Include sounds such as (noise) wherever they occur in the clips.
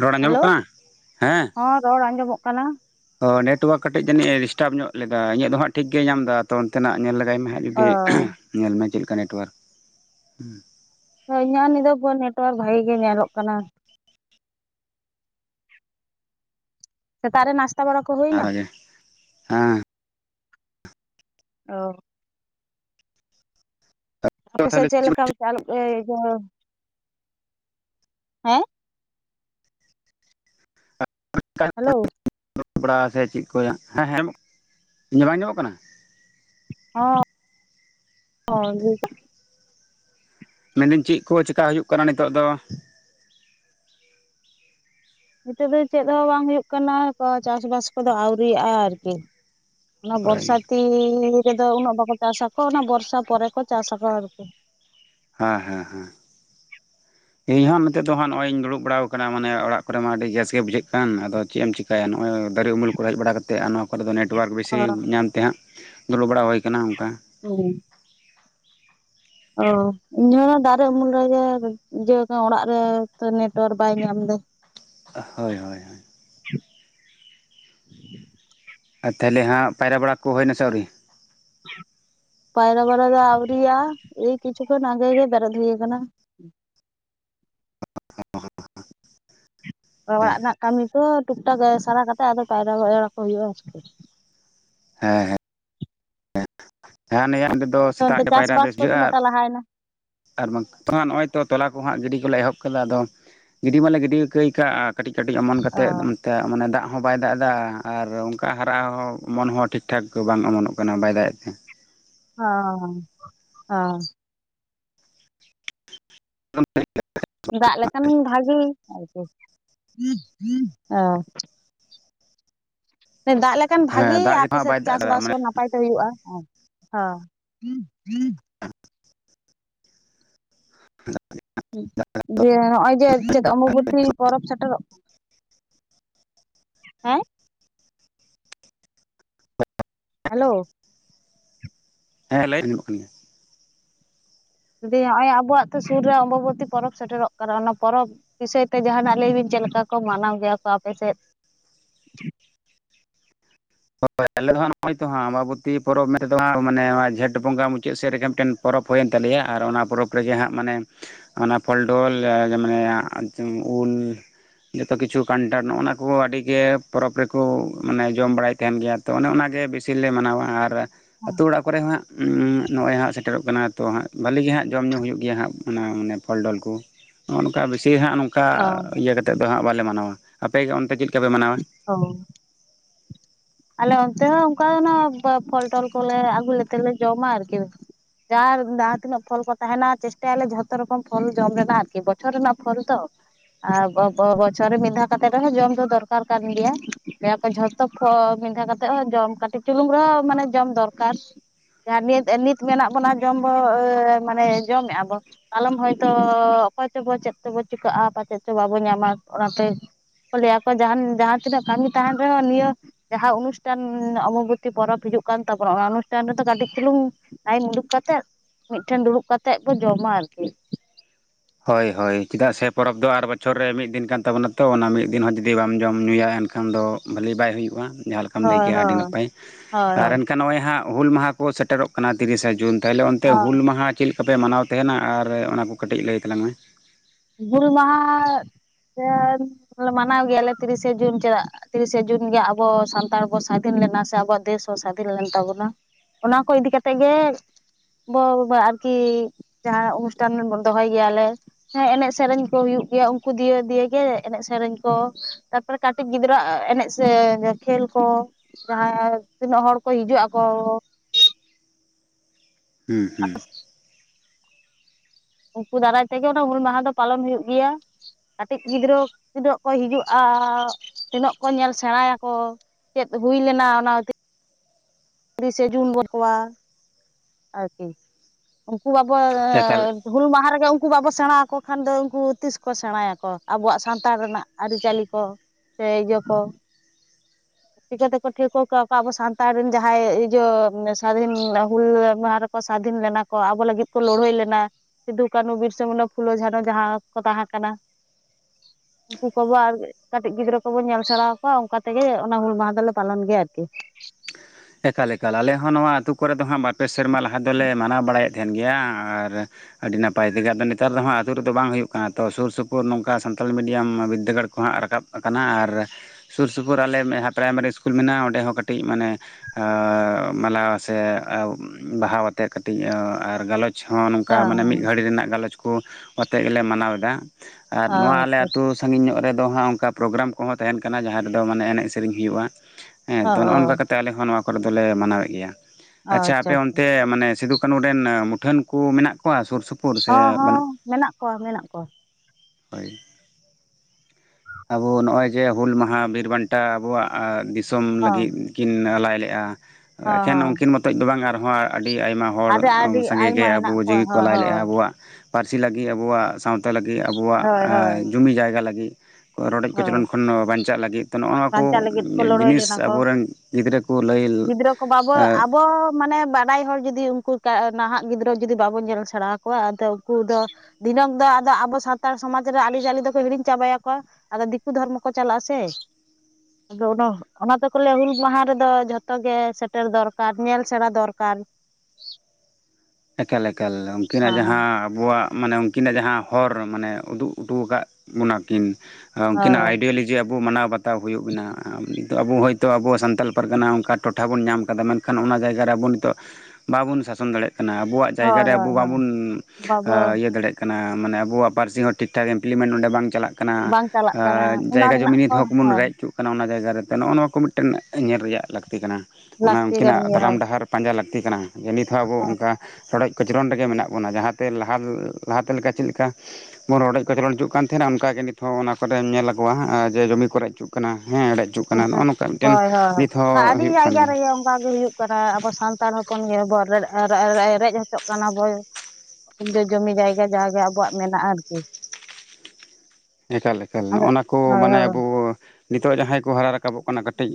ᱨᱚᱲ ᱦᱮᱞᱳ ᱟᱸᱡᱚᱢᱚᱜ ᱠᱟᱱᱟ ᱦᱮᱸ ᱦᱚᱸ ᱨᱚᱲ ᱟᱸᱡᱚᱢᱚᱜ ᱠᱟᱱᱟ ᱚ ᱱᱮᱴᱳᱣᱟᱨᱠ ᱠᱟᱴᱤᱡ ᱡᱟᱱᱤᱡ ᱮ ᱰᱤᱥᱴᱟᱵ ᱧᱚᱜ ᱞᱮᱫᱟ ᱤᱧᱟᱹᱜ ᱫᱚ ᱦᱟᱸᱜ ᱴᱷᱤᱠ ᱜᱮ ᱧᱟᱢ ᱫᱟ ᱛᱚ ᱚᱱᱛᱮᱱᱟᱜ ᱧᱮᱞ ᱞᱮᱟᱜᱟᱭ ᱢᱮ ᱚ ᱡᱩᱫᱤ (unintelligible) ᱧᱮᱞ ᱢᱮ ᱪᱮᱫᱠᱟ ᱱᱮᱴᱣᱟᱨᱠ ᱦᱳᱭ (unintelligible) ᱮᱫᱟᱭ ᱯᱷᱳᱱ ᱱᱮᱴᱳᱣᱟᱨᱠ ᱵᱷᱟᱜᱤ ᱜᱮ ᱧᱮᱞᱚᱜ ᱠᱟᱱᱟ ᱥᱮᱛᱟᱜ ᱨᱮ ᱱᱟᱥᱛᱟ ᱵᱟᱲᱟ ᱠᱚ ᱦᱩᱭᱱᱟ (unintelligible) ᱦᱮᱸ ᱚ ᱟᱯ ᱥᱮᱫ ᱛᱟᱦᱚᱞᱮ ᱪᱮᱫ ᱞᱮᱠᱟ (unintelligible) ᱦᱮᱸ ᱪᱮᱫ ᱦᱮᱞᱳ (unintelligible) ᱥᱮ ᱪᱮᱫ ᱠᱚᱭ ᱦᱮᱸ ᱦᱮᱸ (unintelligible) ᱤᱧᱟᱹᱜ ᱵᱟᱝ ᱟᱧᱡᱚᱢᱚᱜ ᱠᱟᱱᱟ (unintelligible) ᱢᱮᱱᱫᱟᱹᱧ ᱪᱮᱫ ᱠᱚ ᱪᱮᱠᱟ ᱦᱩᱭᱩᱜ ᱠᱟᱱᱟ ᱱᱤᱛᱚᱜ ᱫᱚ? ᱱᱤᱛᱚᱜ ᱫᱚ ᱪᱮᱫ ᱦᱚᱸ ᱵᱟᱝ ᱦᱩᱭᱩᱜ ᱠᱟᱱᱟ ᱪᱟᱥᱵᱟᱥ ᱠᱚᱫᱚ ᱟᱹᱣᱨᱤᱭᱟᱜᱼᱟ ᱟᱨᱠᱤ ᱚᱱᱟ ᱦᱳᱭ ᱵᱚᱨᱥᱟ ᱛᱤ ᱨᱮᱫᱚ ᱩᱱᱟᱹᱜ ᱵᱟᱠᱚ ᱪᱟᱥ ᱟᱠᱚ ᱚᱱᱟ ᱵᱚᱨᱥᱟ ᱯᱚᱨᱮ ᱠᱚ ᱪᱟᱥ ᱟᱠᱚ ᱟᱨᱠᱤ᱾ ᱦᱮᱸ ᱦᱮᱸ ᱦᱮᱸ (unintelligible) ᱤᱧ ᱦᱚᱸ ᱱᱤᱛᱚᱜ ᱫᱚ ᱦᱟᱸᱜ ᱱᱚᱜ ᱚᱭᱤᱧ ᱫᱩᱲᱩᱵ ᱵᱟᱲᱟ ᱠᱟᱱᱟ ᱢᱟᱱᱮ ᱚᱲᱟᱜ ᱠᱚᱨᱮ ᱢᱟ ᱟᱹᱰᱤ ᱜᱮᱥ ᱜᱮ ᱵᱩᱡᱷᱟᱹᱜ ᱠᱟᱱ ᱟᱫᱚ ᱪᱮᱫ ᱮᱢ ᱪᱤᱠᱟᱹ᱾ (unintelligible) ᱱᱚᱜᱼᱚᱭ ᱫᱟᱨᱮ ᱩᱢᱩᱞ ᱠᱚᱨᱮ ᱦᱮᱡ ᱵᱟᱲᱟ ᱠᱟᱛᱮᱫ ᱟᱱᱚ ᱚᱠᱟ ᱨᱮᱫᱚ ᱱᱮᱴᱣᱟᱨᱠ ᱚ ᱵᱤᱥᱤ ᱧᱟᱢᱛᱮ ᱦᱟᱸᱜ ᱫᱩᱲᱩᱵ ᱵᱟᱲᱟ ᱦᱩᱭ ᱟᱠᱟᱱᱟ ᱚᱱᱠᱟ ᱚ ᱚ ᱤᱧ ᱦᱚ ᱫᱟᱨᱮ ᱩᱢᱩᱞ ᱨᱮᱜᱮ ᱤᱭᱠᱟ ᱚᱲᱟᱜ ᱨᱮ ᱱᱮᱴᱣᱟᱨᱠ ᱵᱟᱭ ᱧᱟᱢ ᱮᱫᱟ ᱦᱳᱭ ᱦᱳᱭ ᱦᱳᱭ ᱟᱨ ᱛᱟᱦᱚᱞᱮ ᱦᱟᱸᱜ ᱯᱟᱭᱨᱟ ᱵᱟᱲᱟ ᱠᱚ ᱦᱳᱭ ᱱᱟᱥᱮ ᱟᱹᱣᱨᱤ ᱯᱟᱭᱨᱟ ᱵᱟᱲᱟ ᱫᱚ ᱟᱣᱨᱤᱭᱟ ᱮᱭ ᱠᱤᱪᱷᱩ ᱠᱷᱚᱱ ᱟᱜᱮ ᱜᱮ ᱵᱮᱨᱮᱫ ᱦᱩᱭ ᱠᱟᱱᱟ᱾ (unintelligible) ᱚᱲᱟᱜ ᱦᱮᱸ ᱨᱮᱱᱟᱜ ᱠᱟᱹᱢᱤ ᱛᱚ ᱴᱩᱠᱴᱟᱠ ᱥᱟᱨᱟ ᱠᱟᱛᱮᱫ ᱟᱫᱚ ᱯᱟᱭᱨᱟ ᱵᱟᱲᱟ ᱠᱚ ᱦᱩᱭᱩᱜᱼᱟ ᱟᱨᱠᱤ᱾ ᱦᱮᱸ ᱦᱮᱸ ᱦᱮᱸ ᱱᱮ ᱚᱸᱰᱮ ᱫᱚ ᱟᱯᱮ ᱥᱮᱛᱟᱜ ᱚᱱᱛᱮ ᱜᱮ ᱯᱟᱭᱨᱟᱟᱜ ᱪᱟᱥᱵᱟᱥ ᱵᱮᱥ ᱠᱚ ᱦᱤᱡᱩᱜᱼᱟ ᱛᱤᱱᱟᱹᱜ ᱴᱟ ᱞᱟᱦᱟᱭᱮᱱᱟ ᱟᱨ ᱵᱟᱝ ᱛᱚ ᱱᱚᱜᱚᱭ ᱛᱚ ᱛᱚᱞᱟ ᱠᱚ ᱦᱟᱜ ᱜᱤᱰᱤ ᱠᱚᱞᱮ ᱮᱦᱚᱵ ᱠᱮᱫᱟ ᱟᱫᱚ᱾ ᱜᱤᱰᱤ ᱢᱟᱞᱮ ᱜᱤᱰᱤ ᱠᱟᱹᱭ ᱠᱟᱜᱼᱟ ᱠᱟᱹᱴᱤᱡ ᱠᱟᱹᱴᱤᱡ ᱚᱢᱚᱱ ᱚ ᱠᱟᱛᱮᱫ ᱮᱜ ᱢᱟᱱᱮ ᱫᱟᱜ ᱦᱚᱸ ᱵᱟᱭ ᱫᱟᱜ ᱮᱫᱟ ᱟᱨ ᱚᱱᱠᱟ ᱦᱟᱨᱟ ᱦᱚᱸ ᱚᱢᱚᱱ ᱦᱚᱸ ᱴᱷᱤᱠ ᱴᱷᱟᱠ ᱵᱟᱝ ᱚᱢᱚᱱᱚᱜ ᱠᱟᱱᱟ ᱵᱟᱭ ᱫᱟᱜ ᱮᱫ ᱛᱮ ᱚ ᱚ ᱫᱟᱜ ᱞᱮᱠᱷᱟᱱ ᱵᱷᱟᱜᱤ ᱟᱨᱠᱤ ᱚ ᱫᱟᱜ ᱞᱮᱠᱟᱱ ᱦᱮᱸ ᱵᱷᱟᱜᱮ ᱫᱟᱜ ᱜᱮ ᱟᱯᱮ ᱦᱟᱸᱜ ᱥᱮᱫ ᱵᱟᱭ ᱫᱟᱜ ᱮᱫᱟ ᱪᱟᱥᱵᱟᱥ ᱢᱟᱱᱮ ᱦᱚᱸ ᱱᱟᱯᱟᱭ᱾ ᱦᱩᱭᱩᱜ ᱡᱮ ᱱᱚᱜᱼᱚᱭ ᱡᱮ ᱪᱮᱫ ᱚᱢᱵᱷᱚ ᱯᱚᱨᱚᱵᱽ ᱥᱮᱴᱮᱨᱚᱜ ᱠᱟᱱᱟ ᱦᱮᱸ ᱦᱮᱞᱳ (unintelligible) ᱡᱩᱫᱤ ᱱᱚᱜᱼᱚᱭ ᱟᱵᱚᱣᱟᱜ ᱛᱚ ᱥᱩᱨ ᱨᱮ ᱚᱢᱚᱵᱚᱛᱤ ᱯᱚᱨᱚᱵᱽ ᱥᱮᱴᱮᱨᱚᱜ ᱠᱟᱱᱟ ᱚᱱᱟ ᱯᱚᱨᱚᱵᱽ ᱵᱤᱥᱚᱭ ᱛᱮ ᱡᱟᱦᱟᱱᱟᱜ ᱞᱟᱹᱭ ᱵᱤᱱ ᱪᱮᱫ ᱞᱮᱠᱟ ᱠᱚ ᱢᱟᱱᱟᱣ ᱜᱮᱭᱟ ᱠᱚ ᱟᱯᱮ ᱥᱮᱫ ᱦᱳᱭ ᱟᱞᱮ ᱫᱚ ᱦᱟᱜ ᱱᱚᱜᱼᱚᱭ ᱛᱚ ᱦᱟᱜ ᱟᱢᱵᱟᱵᱚᱛᱤ ᱯᱚᱨᱚᱵᱽ ᱢᱮᱱᱛᱮᱫᱚ ᱢᱟᱱᱮ ᱱᱚᱣᱟ ᱡᱮᱸᱷᱮᱴ ᱵᱚᱸᱜᱟ ᱢᱩᱪᱟᱹᱫ ᱥᱮᱫ ᱨᱮᱜᱮ ᱢᱤᱫᱴᱮᱱ ᱯᱚᱨᱚᱵᱽ ᱦᱳᱭᱮᱱ ᱛᱟᱞᱮᱭᱟ ᱟᱨ ᱚᱱᱟ ᱯᱚᱨᱚᱵᱽ ᱨᱮᱜᱮ ᱦᱟᱸᱜ ᱢᱟᱱᱮ ᱚᱱᱟ ᱯᱷᱚᱞᱰᱚᱞ ᱢᱟᱱᱮ ᱩᱞ ᱡᱚᱛᱚ ᱠᱤᱪᱷᱩ ᱠᱟᱱᱴᱷᱟ ᱱᱚᱜ ᱱᱟ ᱠᱚ ᱟᱹᱰᱤ ᱜᱮ ᱯᱚᱨᱚᱵᱽ ᱨᱮᱠᱚ ᱢᱟᱱᱮ ᱡᱚᱢ ᱵᱟᱲᱟᱭᱮᱫ ᱛᱟᱦᱮᱱ ᱜᱮᱭᱟ ᱛᱚ ᱚᱱᱮ ᱚᱱᱟᱜᱮ ᱵᱤᱥᱤ ᱞᱮ ᱢᱟᱱᱟᱣᱟ ᱟᱨ ᱟᱹᱛᱩ ᱚᱲᱟᱜ ᱠᱚᱨᱮ ᱦᱟᱸᱜ ᱱᱚᱜᱼᱚᱭ ᱦᱟᱸᱜ ᱥᱮᱴᱮᱨᱚᱜ ᱠᱟᱱᱟ ᱛᱚ ᱦᱟᱜ ᱵᱷᱟᱹᱞᱤ ᱜᱮ ᱦᱟᱸᱜ ᱡᱚᱢ ᱧᱩ ᱦᱩᱭᱩᱜ ᱜᱮᱭᱟ ᱦᱟᱸᱜ ᱚᱱᱟ ᱢᱟᱱᱮ ᱯᱷᱚᱞ ᱰᱚᱞ ᱠᱚ ᱚᱱᱠᱟ ᱵᱮᱥᱤ ᱦᱟᱸᱜ ᱱᱚᱝᱠᱟ ᱤᱭᱟᱹ ᱠᱟᱛᱮᱫ ᱫᱚ ᱦᱟᱸᱜ ᱵᱟᱞᱮ ᱢᱟᱱᱟᱣᱟ ᱟᱯᱮᱜᱮ ᱚᱱᱛᱮ ᱪᱮᱫ ᱞᱮᱠᱟᱯᱮ ᱢᱟᱱᱟᱣᱟ᱾ ᱦ ᱟᱞᱮ ᱚᱱᱛᱮ ᱦᱚᱸ ᱚᱱᱠᱟ ᱚᱱᱟ ᱯᱷᱚᱞ ᱰᱚᱞ ᱠᱚᱞᱮ ᱟᱹᱜᱩ ᱞᱮᱛᱮᱞᱮ ᱡᱚᱢᱟ ᱟᱨᱠᱤ ᱡ ᱡᱟᱦᱟᱸ ᱛᱤᱱᱟᱹᱜ ᱯᱷᱚᱞ ᱠᱚ ᱛᱟᱦᱮᱱᱟ ᱪᱮᱥᱴᱟᱭᱟᱞᱮ ᱡᱷᱚᱛᱚ ᱨᱚᱠᱚᱢ ᱯᱷᱚᱞ ᱡᱚᱢ ᱨᱮᱱᱟᱜ ᱟᱨᱠᱤ ᱵᱚᱪᱷᱚᱨ ᱨᱮᱱᱟᱜ ᱯᱷᱚᱞ ᱛᱚ ᱟᱨ ᱵᱚᱪᱚᱨ ᱨᱮ ᱢᱤᱫᱷᱟ ᱠᱟᱛᱮ ᱫᱚ ᱡᱚᱢ ᱫᱚ ᱫᱚᱨᱠᱟ ᱫᱚᱨᱠᱟᱨ ᱠᱟᱱ ᱜᱮᱭᱟ ᱠᱚ ᱡᱷᱚᱛᱚ ᱢᱮᱸᱫᱷᱟ ᱠᱟᱛᱮ ᱦᱚᱸ ᱡᱚᱢ ᱠᱟᱹᱴᱤᱡ ᱪᱩᱞᱩᱝ ᱨᱮᱦᱚᱸ ᱢᱟᱱᱮ ᱡᱚᱢ ᱫᱚᱨᱠᱟᱨ ᱡᱟᱦᱟᱸ ᱱᱤᱛ ᱱᱤᱛ ᱢᱮᱱᱟᱜ ᱵᱚᱱᱟ ᱡᱚᱢ ᱵᱚ ᱢᱟᱱᱮ ᱡᱚᱢᱮᱫᱼᱟ ᱵᱚ ᱠᱞᱚᱢ ᱦᱚᱭᱛᱳ ᱚᱠᱚᱭ ᱪᱚ ᱵᱚ ᱪᱮᱫ ᱛᱮᱵᱚ ᱪᱤᱠᱟᱹᱜᱼᱟ ᱯᱟᱪᱮᱫ ᱪᱚ ᱵᱟᱵᱚ ᱧᱟᱢᱟ ᱚᱱᱟᱛᱮ ᱞᱟᱹᱭ ᱟᱠᱚ ᱡᱟᱦᱟᱸ ᱛᱤᱱᱟᱹᱜ ᱠᱟᱹᱢᱤ ᱛᱟᱦᱮᱱ ᱨᱮᱦᱚᱸ ᱱᱤᱭᱟᱹ ᱡᱟᱦᱟᱸ ᱚᱱᱩᱥᱴᱷᱟᱱ ᱚᱢᱚᱵᱚᱛᱤ ᱯᱚᱨᱚᱵᱽ ᱦᱤᱡᱩᱜ ᱠᱟᱱ ᱛᱟᱵᱚᱱᱟ ᱚᱱᱟ ᱚᱱᱩᱥᱴᱷᱟᱱ ᱨᱮᱫᱚ ᱠᱟᱹᱴᱤᱡ ᱪᱩᱞᱩᱝ ᱴᱟᱭᱤᱢ ᱩᱰᱩᱠ ᱠᱟᱛᱮᱫ ᱢᱤᱫᱴᱷᱮᱱ ᱫᱩᱲᱩᱵ ᱠᱟᱛᱮᱫ ᱵᱚ ᱡᱚᱢᱟ ᱟᱨᱠᱤ ᱦᱳᱭ ᱦᱳᱭ ᱪᱮᱫᱟᱜ ᱥᱮ ᱯᱚᱨᱚᱵᱽ ᱫᱚ ᱟᱨ ᱵᱚᱪᱷᱚᱨ ᱨᱮ ᱢᱤᱫ ᱫᱤᱱ ᱠᱟᱱ ᱛᱟᱵᱚᱱᱟ ᱛᱚ ᱚᱱᱟ ᱢᱤᱫ ᱫᱤᱱ ᱦᱚᱸ ᱡᱩᱫᱤ ᱵᱟᱢ ᱡᱚᱢ ᱧᱩᱭᱟ ᱮᱱᱠᱷᱟᱱ ᱫᱚ ᱵᱷᱟᱹᱞᱮ ᱵᱟᱭ ᱦᱩᱭᱩᱜᱼᱟ ᱡᱟᱦᱟᱸ ᱞᱮᱠᱟᱢ ᱞᱟᱹᱭ ᱦᱳᱭ ᱠᱮᱭᱟ ᱦᱳᱭ ᱟᱹᱰᱤ ᱱᱟᱯᱟᱭ ᱦᱳᱭ ᱟᱨ ᱦᱳᱭ ᱱᱚᱜᱼᱚᱭ ᱦᱟᱸᱜ ᱦᱩᱞ ᱢᱟᱦᱟ ᱠᱚ ᱥᱮᱴᱮᱨᱚᱜ ᱠᱟᱱᱟ ᱛᱤᱨᱤᱥᱟ ᱡᱩᱱ ᱛᱟᱦᱚᱞᱮ ᱚᱱᱛᱮ ᱦᱳᱭ ᱦᱩᱞ ᱢᱟᱦᱟ ᱪᱮᱫ ᱞᱮᱠᱟᱯᱮ ᱢᱟᱱᱟᱣ ᱛᱟᱦᱮᱱᱟ ᱟᱨ ᱚᱱᱟ ᱠᱚ ᱠᱟᱹᱴᱤᱡ ᱞᱟᱹᱭ ᱛᱟᱞᱟᱝ ᱢᱮ ᱦᱩᱞ ᱢᱟᱦᱟ ᱢᱟᱱᱟᱣ ᱜᱮᱭᱟᱞᱮ ᱛᱤᱨᱤᱥᱮ ᱡᱩᱱ ᱪᱟᱜ ᱛᱤᱨᱤᱥᱮ ᱡᱩᱱ ᱜᱮ ᱟᱵᱚ ᱥᱟᱱᱛᱟᱲ ᱵᱚᱱ ᱥᱟᱫᱷᱤᱱ ᱞᱮᱱᱟ ᱥᱮ ᱟᱵᱚᱣᱟᱜ ᱫᱮᱥ ᱵᱚᱱ ᱥᱟᱫᱷᱤᱱ ᱞᱮᱱ ᱛᱟᱵᱚᱱᱟ ᱚᱱᱟ ᱠᱚ ᱤᱫᱤ ᱠᱟᱛᱮᱫ ᱜᱮ ᱵᱚ ᱵᱟᱵᱟ ᱟᱨᱠᱤ ᱡᱟᱦᱟᱸ ᱚᱱᱩᱥᱴᱷᱟᱱ ᱫᱚᱦᱚᱭ ᱜᱮᱭᱟᱞᱮ ᱦᱮᱸ ᱮᱱᱮᱡ ᱥᱮᱨᱮᱧ ᱠᱚ ᱦᱩᱭᱩᱜ ᱜᱮᱭᱟ ᱩᱱᱠᱩ ᱫᱤᱭᱮ ᱫᱤᱭᱮ ᱜᱮ ᱮᱱᱮᱡ ᱥᱮᱨᱮᱧ ᱠᱚ ᱛᱟᱨᱯᱚᱨᱮ ᱠᱟᱹᱴᱤᱡ ᱜᱤᱫᱽᱨᱟᱹ ᱟᱜ ᱮᱱᱮᱡ ᱥᱮᱨᱮᱧ ᱠᱷᱮᱞ ᱠᱚ ᱡᱟᱦᱟᱸ ᱛᱤᱱᱟᱹᱜ ᱦᱚᱲ ᱠᱚ ᱦᱤᱡᱩᱜ ᱟᱠᱚ ᱦᱩᱸ ᱦᱩᱸ ᱩᱱᱠᱩ ᱫᱟᱨᱟᱭ ᱛᱮᱜᱮ ᱚᱱᱟ ᱦᱩᱞ ᱢᱟᱦᱟ ᱫᱚ ᱯᱟᱞᱚᱱ ᱦᱩᱭᱩᱜ ᱜᱮᱭᱟ᱾ ᱠᱟᱹᱴᱤᱡ ᱜᱤᱫᱽᱨᱟᱹ ᱴᱤᱱᱟᱹᱜᱟ ᱠᱚ ᱦᱤᱡᱩᱜᱼᱟ ᱛᱤᱱᱟᱹᱜ ᱠᱚ ᱧᱮᱞ ᱥᱮᱬᱟᱭᱟᱠᱚ᱿ ᱪᱮᱫ ᱦᱩᱭ ᱞᱮᱱᱟ ᱚᱱᱟ᱾ ᱛᱤᱨᱤᱥᱮ ᱡᱩᱱ ᱵᱚᱱ (unintelligible) ᱟᱨᱠᱤ ᱩᱱᱠᱩ ᱵᱟᱵᱚ ᱮᱠᱟᱞ ᱦᱩᱞ ᱢᱟᱦᱟ ᱨᱮᱜᱮ ᱩᱱᱠᱩ ᱵᱟᱵᱚ ᱥᱮᱬᱟ ᱟᱠᱚ ᱠᱷᱟᱱ ᱫᱚ ᱩᱱᱠᱩ ᱛᱤᱥ ᱠᱚ ᱥᱮᱬᱟᱭᱟᱠᱚ ᱟᱵᱚᱣᱟᱜ ᱥᱟᱱᱛᱟᱲ ᱨᱮᱱᱟᱜ ᱟᱹᱨᱤᱪᱟᱹᱞᱤ ᱠᱚ᱿ ᱥᱮ ᱤᱭᱟᱹ ᱠᱚ ᱪᱤᱠᱟᱹᱛᱮᱠᱚ ᱴᱷᱟᱹᱣᱠᱟᱹ ᱠᱚᱣᱟ ᱟᱵᱚ ᱥᱟᱱᱛᱟᱲ ᱨᱮᱱ ᱡᱟᱦᱟᱸᱭ ᱤᱭᱟᱹ ᱥᱟᱫᱷᱤᱱ ᱦᱩᱞ᱿ ᱥᱟᱹᱫᱷᱤᱱ ᱞᱮᱱᱟ ᱠᱚ ᱟᱵᱚ ᱞᱟᱹᱜᱤᱫ ᱠᱚ ᱞᱟᱹᱲᱦᱟᱹᱭ ᱞᱮᱱᱟ᱿ ᱥᱤᱫᱩ ᱠᱟᱹᱱᱦᱩ ᱵᱤᱨᱥᱟᱹ ᱢᱩᱱᱰᱟ ᱯᱷᱩᱞᱳ ᱡᱷᱟᱱᱚ ᱡᱟᱦᱟᱸ ᱠᱚ ᱛᱟᱦᱮᱸ ᱠᱟᱱᱟ᱾ ᱩᱱᱠᱩ ᱠᱚᱵᱚ ᱟᱨ ᱠᱟᱹᱴᱤᱡ ᱜᱤᱫᱽᱨᱟᱹ ᱠᱚᱵᱚ ᱧᱮᱞ ᱥᱮᱸᱲᱟ ᱟᱠᱚᱣᱟ ᱚᱱᱠᱟ ᱛᱮᱜᱮ᱾ ᱚᱱᱟ ᱦᱩᱞ ᱢᱟᱦᱟ ᱫᱚᱞᱮ ᱯᱟᱞᱚᱱ ᱜᱮᱭᱟ ᱟᱨᱠᱤ᱾ ᱮᱠᱟᱞ ᱮᱠᱟᱞ ᱟᱞᱮ ᱦᱚᱸ ᱱᱚᱣᱟ ᱟᱹᱛᱩ ᱠᱚᱨᱮᱫ ᱫᱚ ᱦᱟᱸᱜ ᱵᱟᱨᱯᱮ ᱥᱮᱨᱢᱟ ᱞᱟᱦᱟ ᱫᱚᱞᱮ ᱢᱟᱱᱟᱣ ᱵᱟᱲᱟᱭᱮᱫ ᱛᱟᱦᱮᱱ ᱜᱮᱭᱟ ᱟᱨ ᱟᱹᱰᱤ ᱱᱟᱯᱟᱭ ᱛᱮᱜᱮ ᱟᱫᱚ ᱱᱮᱛᱟᱨ ᱫᱚ ᱦᱟᱸᱜ ᱟᱹᱛᱩ ᱨᱮᱫᱚ ᱵᱟᱝ ᱦᱩᱭᱩᱜ ᱠᱟᱱᱟ ᱛᱚ ᱥᱩᱨ ᱥᱩᱯᱩᱨ ᱱᱚᱝᱠᱟ ᱥᱟᱱᱛᱟᱞᱤ ᱢᱤᱰᱤᱭᱟᱢ ᱵᱤᱫᱽᱫᱟᱹᱜᱟᱲ ᱠᱚ ᱦᱟᱸᱜ ᱨᱟᱠᱟᱵᱽ ᱠᱟᱱᱟ ᱟᱨ ᱥᱩᱨ ᱥᱩᱯᱩᱨ ᱟᱞᱮ ᱢᱮᱫ ᱯᱨᱟᱭᱢᱟᱨᱤ ᱤᱥᱠᱩᱞ ᱢᱮᱱᱟᱜᱼᱟ ᱚᱸᱰᱮ ᱦᱚᱸ ᱠᱟᱹᱴᱤᱡ ᱢᱟᱱᱮ ᱢᱟᱞᱟ ᱥᱮ ᱵᱟᱦᱟ ᱟᱛᱮᱜ ᱠᱟᱹᱴᱤᱡ ᱟᱨ ᱜᱟᱞᱚᱪ ᱦᱚᱸ ᱱᱚᱝᱠᱟ ᱦᱮᱸ ᱢᱟᱱᱮ ᱢᱤᱫ ᱜᱷᱟᱹᱲᱤ ᱨᱮᱱᱟᱜ ᱜᱟᱞᱚᱪ ᱠᱚ ᱟᱛᱮᱫ ᱜᱮᱞᱮ ᱢᱟᱱᱟᱣ ᱮᱫᱟ᱿ ᱟᱨ ᱦᱮᱸ ᱱᱚᱣᱟ ᱟᱞᱮ ᱟᱪᱪᱷᱟ ᱟᱹᱛᱩ᱾ ᱥᱟᱺᱜᱤᱧ ᱧᱚᱜ ᱨᱮᱫᱚ ᱦᱟᱸᱜ ᱚᱱᱠᱟ ᱯᱨᱳᱜᱨᱟᱢ ᱠᱚᱦᱚᱸ ᱛᱟᱦᱮᱱ ᱠᱟᱱᱟ ᱡᱟᱦᱟᱸ ᱨᱮᱫᱚ ᱢᱟᱱᱮ ᱮᱱᱮᱡ ᱥᱮᱨᱮᱧ ᱦᱩᱭᱩᱜᱼᱟ᱾ ᱚ ᱦᱮᱸ ᱛᱚ ᱱᱚᱜᱼᱚ ᱱᱚᱝᱠᱟ ᱚ ᱠᱟᱛᱮ ᱟᱞᱮ ᱦᱚᱸ ᱱᱚᱣᱟ ᱠᱚᱨᱮ ᱫᱚᱞᱮ ᱢᱟᱱᱟᱣᱮᱫ ᱜᱮᱭᱟ ᱟᱪᱪᱷᱟ ᱟᱯᱮ ᱚᱱᱛᱮ ᱢᱟᱱᱮ ᱥᱤᱫᱩ ᱠᱟᱱᱦᱩ ᱨᱮᱱ ᱢᱩᱴᱷᱟᱹᱱ ᱠᱚ ᱢᱮᱱᱟᱜ ᱠᱚᱣᱟ ᱥᱩᱨ ᱥᱩᱯᱩᱨ ᱦᱚᱸ ᱥᱮ ᱦᱚᱸ ᱵᱟᱹᱱᱩᱜ ᱢᱮᱱᱟᱜ ᱠᱚᱣᱟ ᱢᱮᱱᱟᱜ ᱠᱚᱣᱟ᱾ ᱦᱳᱭ ᱟᱵᱩ ᱱᱚᱜᱼᱚᱭ ᱡᱮ ᱦᱩᱞ ᱢᱟᱦᱟ ᱵᱤᱨᱵᱟᱱᱴᱟ ᱟᱵᱚᱣᱟᱜ ᱫᱤᱥᱚᱢ ᱞᱟᱹᱜᱤᱫ ᱦᱚᱸ ᱠᱤᱱ ᱟᱞᱟᱭ ᱞᱮᱫᱼᱟ ᱦᱚᱸ ᱮᱠᱷᱮᱱ ᱦᱚᱸ ᱩᱱᱠᱤᱱ ᱢᱚᱛᱚᱡ ᱫᱚ ᱵᱟᱝ ᱟᱨᱦᱚᱸ ᱟᱹᱰᱤ ᱟᱭᱢᱟ ᱦᱚᱲ ᱟᱫᱚ ᱟᱹᱰᱤ ᱥᱟᱸᱜᱮ ᱜᱮ ᱟᱭᱢᱟ ᱟᱵᱚ ᱦᱮᱱᱟᱜ ᱠᱚᱣᱟ ᱡᱤᱣᱤ ᱠᱚ ᱦᱳᱭ ᱞᱟᱭ ᱞᱮᱫᱼᱟ ᱦᱳᱭ ᱟᱵᱚᱣᱟᱜ᱾ ᱯᱟᱹᱨᱥᱤ ᱞᱟᱹᱜᱤᱫ ᱟᱵᱩᱣᱟᱜ ᱥᱟᱶᱛᱟ ᱞᱟᱹᱜᱤᱫ ᱟᱵᱚᱣᱟᱜ ᱦᱳᱭ ᱦᱳᱭ ᱡᱩᱢᱤ ᱡᱟᱭᱜᱟ ᱞᱟᱹᱜᱤᱫ᱿ ᱨᱚᱰᱚᱡ ᱦᱳᱭ ᱠᱚᱪᱞᱚᱱ ᱠᱷᱚᱱ ᱵᱟᱧᱪᱟᱜ ᱞᱟᱹᱜᱤᱫ᱾ ᱛᱚ ᱱᱚᱜ ᱚ ᱱᱚᱣᱟ ᱠᱚ ᱵᱟᱧᱪᱟᱜ ᱞᱟᱹᱜᱤᱫ ᱠᱚ ᱞᱟᱹᱲᱦᱟᱹᱭ ᱡᱤᱱᱤᱥ ᱞᱮᱱᱟ ᱠᱚ ᱟᱵᱚᱨᱮᱱ ᱜᱤᱫᱽᱨᱟᱹ ᱠᱚ ᱞᱟᱹᱭ ᱜᱤᱫᱽᱨᱟᱹ ᱠᱚ ᱵᱟᱵᱚ ᱟᱵᱚ ᱢᱟᱱᱮ ᱵᱟᱰᱟᱭ ᱦᱚᱲ ᱡᱩᱫᱤ ᱩᱱᱠᱩ ᱱᱟᱦᱟᱜ ᱜᱤᱫᱽᱨᱟᱹ ᱡᱩᱫᱤ ᱵᱟᱵᱚᱱ ᱧᱮᱞ ᱥᱮᱸᱲᱟ ᱟᱠᱚᱣᱟ ᱩᱱᱠᱩ ᱫᱚ ᱫᱷᱤᱱᱟᱹᱝ ᱫᱚ ᱟᱫᱚ ᱟᱵᱚ ᱥᱟᱱᱛᱟᱲ ᱥᱚᱢᱟᱡᱽ ᱨᱮ ᱟᱹᱨᱤᱪᱟᱹᱞᱤ ᱫᱚᱠᱚ ᱦᱤᱲᱤᱧ ᱪᱟᱵᱟᱭᱟᱠᱚ ᱟᱫᱚ ᱫᱤᱠᱩ ᱫᱷᱚᱨᱢᱚ ᱠᱚ ᱪᱟᱞᱟᱜ ᱟ ᱥᱮ ᱟᱫᱚ ᱚᱱᱟ ᱚᱱᱟᱛᱮᱠᱚ ᱞᱟᱹᱭᱟ ᱦᱩᱞ ᱢᱟᱦᱟ ᱨᱮᱫᱚ ᱡᱷᱚᱛᱚ ᱜᱮ ᱥᱮᱴᱮᱨ ᱫᱚᱨᱠᱟᱨ ᱧᱮᱞ ᱥᱮᱬᱟ ᱫᱚᱨᱠᱟᱨ ᱮᱠᱟᱞ ᱮᱠᱟᱞ ᱩᱱᱠᱤᱱᱟᱜ ᱦᱚᱸ ᱡᱟᱦᱟᱸ ᱟᱵᱚᱣᱟᱜ ᱢᱟᱱᱮ ᱩᱱᱠᱤᱱᱟᱜ ᱡᱟᱦᱟᱸ ᱦᱚᱨ ᱢᱟᱱᱮ ᱩᱫᱩᱜ ᱦᱚᱴᱚ ᱟᱠᱟᱫ ᱵᱚᱱᱟ ᱠᱤᱱ ᱩᱱᱠᱤᱱᱟᱜ ᱦᱚᱸ ᱟᱭᱰᱤᱭᱳᱞᱚᱡᱤ ᱟᱵᱚ ᱢᱟᱱᱟᱣ ᱵᱟᱛᱟᱣ ᱦᱩᱭ ᱟᱵᱚᱱᱟ ᱱᱤᱛᱚᱜ ᱟᱵᱚ ᱦᱚᱭ ᱱᱤᱛᱚᱜ ᱟᱵᱚ ᱥᱟᱱᱛᱟᱞ ᱯᱟᱨᱜᱟᱱᱟ ᱚᱱᱠᱟ ᱴᱚᱴᱷᱟ ᱵᱚᱱ ᱧᱟᱢ ᱟᱠᱟᱫᱟ ᱢᱮᱱᱠᱷᱟᱱ ᱚᱱᱟ ᱡᱟᱭᱜᱟ ᱨᱮ ᱟᱵᱚ ᱱᱤᱛᱚᱜ ᱵᱟᱵᱚᱱ ᱥᱟᱥᱚᱱ᱾ ᱫᱟᱲᱮᱭᱟᱜ ᱠᱟᱱᱟ ᱠᱟᱱᱟ ᱟᱵᱚᱣᱟᱜ ᱡᱟᱭᱜᱟ ᱦᱳᱭ ᱨᱮ ᱦᱳᱭ ᱟᱵᱚ ᱦᱳᱭ ᱵᱟᱵᱚᱱ ᱵᱟᱵᱚ ᱤᱭᱟᱹ ᱫᱟᱲᱮᱭᱟᱜ ᱠᱟᱱᱟ ᱠᱟᱱᱟ ᱢᱟᱱᱮ ᱟᱵᱚᱣᱟᱜ ᱯᱟᱹᱨᱥᱤ ᱦᱚᱸ ᱴᱷᱤᱠ ᱴᱷᱟᱠ ᱮᱢᱯᱞᱤᱢᱮᱱᱴ ᱚᱸᱰᱮ ᱵᱟᱝ ᱪᱟᱞᱟᱜ ᱠᱟᱱᱟ᱾ ᱵᱟᱝ ᱪᱟᱞᱟᱜ ᱠᱟᱱᱟ ᱚᱱᱟ ᱡᱟᱭᱜᱟ ᱨᱮᱱᱟᱜ ᱡᱚᱢᱤ ᱱᱤᱛ ᱦᱚᱸ ᱦᱳᱠ ᱵᱚᱱ ᱦᱳᱭ ᱨᱮᱡ ᱚᱪᱚᱜ ᱠᱟᱱᱟ᱾ ᱠᱟᱱᱟ ᱚᱱᱟ ᱡᱟᱭᱜᱟ ᱨᱮ ᱛᱮ ᱱᱚᱜᱼᱚ ᱱᱚᱣᱟ ᱠᱚ ᱢᱤᱫᱴᱮᱱ ᱧᱮᱞ ᱨᱮᱭᱟᱜ ᱞᱟᱹᱠᱛᱤ ᱠᱟᱱᱟ ᱚᱱᱟ ᱞᱟᱹᱠᱛᱤ ᱠᱟᱱ ᱩᱱᱠᱤᱱᱟᱜ ᱜᱮᱭᱟ ᱛᱟᱲᱟᱢ ᱰᱟᱦᱟᱨ ᱯᱟᱸᱡᱟ ᱞᱟᱹᱠᱛᱤ ᱠᱟᱱᱟ ᱡᱮ ᱮᱢᱱᱤ ᱦᱚᱸ ᱦᱮᱸ ᱟᱵᱚ᱾ ᱚᱱᱠᱟ ᱨᱚᱰᱚᱡ ᱠᱚᱪᱨᱚᱱ ᱨᱮᱜᱮ ᱢᱮᱱᱟᱜ ᱵᱚᱱᱟ ᱡᱟᱦᱟᱸᱛᱮ ᱞᱟᱦᱟᱛᱮ ᱞᱮᱠᱟ ᱪᱮᱫ ᱞᱮᱠᱟ᱾ ᱵᱚᱱ ᱨᱚᱰᱚᱡ ᱠᱚᱪᱞᱚᱱ ᱚᱪᱚᱜ ᱠᱟᱱ ᱛᱟᱦᱮᱱᱟ ᱚᱱᱠᱟ ᱜᱮ ᱱᱤᱛᱚᱜ ᱦᱚᱸ ᱚᱱᱟ ᱠᱚᱨᱮᱢ ᱧᱮᱞ ᱠᱚᱣᱟ ᱡᱮ ᱡᱚᱢᱤ ᱠᱚ ᱨᱮᱡ ᱚᱪᱚᱜ ᱠᱟᱱᱟ ᱦᱮᱸ ᱚᱰᱮᱡ ᱦᱮᱸ ᱦᱳᱭ ᱦᱳᱭ ᱟᱹᱰᱤ ᱦᱩᱭᱩᱜ ᱠᱟᱱ ᱡᱟᱭᱜᱟ ᱜᱮᱭᱟ ᱨᱮᱜᱮ ᱚᱱᱠᱟ ᱜᱮ ᱦᱩᱭᱩᱜ ᱠᱟᱱᱟ ᱟᱵᱚ ᱥᱟᱱᱛᱟᱲ ᱦᱚᱯᱚᱱ ᱜᱮᱵᱚᱱ ᱨᱮᱡ ᱦᱚᱪᱚᱜ ᱠᱟᱱᱟ ᱵᱚᱱ᱾ ᱤᱧ ᱫᱚ ᱡᱚᱢᱤ ᱡᱟᱭᱜᱟ ᱡᱟᱜᱮ ᱟᱵᱚᱣᱟᱜ ᱢᱮᱱᱟᱜᱼᱟ ᱟᱨᱠᱤ᱾ ᱮᱠᱟᱞ ᱮᱠᱟᱞ ᱱᱚᱜ ᱟᱫᱚ ᱱᱟ ᱠᱚ ᱦᱳᱭ ᱢᱟᱱᱮ ᱦᱳᱭ ᱟᱵᱚ᱾ ᱱᱤᱛᱚᱜ ᱡᱟᱦᱟᱸᱭ ᱠᱚ ᱦᱟᱨᱟ ᱨᱟᱠᱟᱵᱚᱜ ᱠᱟᱱᱟ ᱠᱟᱹᱴᱤᱡ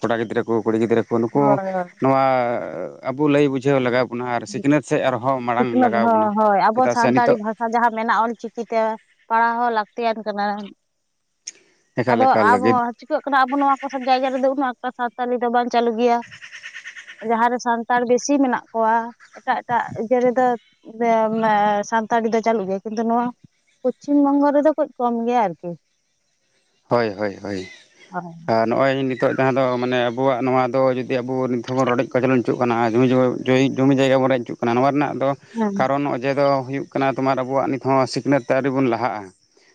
ᱠᱚᱲᱟ ᱜᱤᱫᱽᱨᱟᱹ ᱠᱚ ᱠᱩᱲᱤ ᱜᱤᱫᱽᱨᱟᱹ ᱠᱚ ᱱᱩᱠᱩ ᱦᱳᱭ ᱦᱳᱭ ᱱᱚᱣᱟ ᱟᱵᱚ ᱞᱟᱹᱭ ᱵᱩᱡᱷᱟᱹᱣ ᱞᱟᱜᱟᱣ ᱵᱚᱱᱟ ᱟᱨ ᱥᱤᱠᱷᱱᱟᱹᱛ ᱥᱮᱫ ᱟᱨᱦᱚᱸ ᱦᱚᱸ ᱢᱟᱲᱟᱝ ᱞᱟᱜᱟᱣ ᱵᱚᱱᱟ ᱪᱮᱫᱟᱜ ᱥᱮ ᱱᱤᱛᱚᱜ ᱟ ᱡᱟᱦᱟᱸ ᱢᱮᱱᱟᱜ ᱚᱞᱪᱤᱠᱤ ᱛᱮ ᱯᱟᱲᱦᱟᱣ ᱦᱚᱸ ᱞᱟᱹᱠᱛᱤᱭᱟᱱ ᱠᱟᱱᱟ᱾ ᱮᱠᱟᱞ ᱟᱫᱚ ᱮᱠᱟᱞ ᱞᱟᱹᱜᱤᱫ ᱟᱵᱚᱣᱟᱜ ᱪᱤᱠᱟᱹᱜ ᱠᱟᱱᱟ ᱟᱵᱚ ᱱᱚᱣᱟ ᱠᱚᱥᱮᱱ ᱡᱟᱭᱜᱟ ᱨᱮᱫᱚ ᱩᱱᱟᱹᱜ ᱮᱠᱴᱟ ᱥᱟᱶᱛᱟᱞᱤ ᱫᱚ ᱵᱟᱝ ᱪᱟᱹᱞᱩ ᱜᱮᱭᱟ᱾ ᱡᱟᱦᱟᱸ ᱨᱮ ᱥᱟᱱᱛᱟᱲ ᱵᱤᱥᱤ ᱢᱮᱱᱟᱜ ᱠᱚᱣᱟ ᱮᱴᱟᱜ ᱮᱴᱟᱜ ᱤᱡᱟ. ᱨᱮᱫᱚ (unintelligible) ᱥᱟᱱᱛᱟᱲᱤ ᱫᱚ ᱪᱟᱹᱞᱩᱜ ᱜᱮᱭᱟ ᱠᱤᱱᱛᱩ ᱱᱚᱣᱟ ᱯᱚᱪᱷᱤᱢ ᱵᱚᱝᱜᱚ ᱨᱮᱫᱚ ᱠᱟᱹᱡ ᱠᱚᱢ ᱜᱮᱭᱟ ᱟᱨᱠᱤ᱾ ᱦᱳᱭ ᱦᱳᱭ ᱦᱳᱭ ᱟᱨ ᱱᱚᱜᱚᱭ ᱱᱤᱛᱚᱜ ᱡᱟᱦᱟᱸ ᱫᱚ ᱢᱟᱱᱮ ᱟᱵᱩᱣᱟᱜ ᱱᱚᱣᱟ ᱫᱚ ᱡᱤᱫᱤ ᱡᱮ ᱟᱵᱩ ᱱᱤᱛᱷᱚ ᱦᱚᱸᱵᱚᱱ ᱨᱰᱚᱡ ᱠᱚᱪᱚᱞᱚᱱᱪᱩᱜ ᱠᱟᱱᱟ ᱟᱨ (unintelligible) ᱡᱩᱭᱤ ᱡᱩᱢᱤ ᱡᱟᱭᱜᱟ ᱵᱚᱱ ᱨᱮᱜ ᱪᱤᱜ ᱠᱟᱱᱟ ᱱᱚᱣᱟ ᱨᱮᱱᱟᱜ ᱫᱚ ᱦᱮᱸ ᱠᱟᱨᱚᱱ ᱚᱡᱮ ᱫᱚ ᱦᱩᱭᱩᱜ ᱠᱟᱱᱟ ᱛᱳᱢᱟᱨ ᱟᱵᱩᱣᱟᱜ ᱱᱤᱛ ᱦᱚᱸ ᱥᱤᱠᱷᱱᱟᱹᱛ ᱟᱹᱣᱨᱤ ᱵᱩᱱ ᱞᱟᱦᱟᱜᱼᱟ᱾